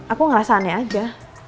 aku ngerasa aneh aja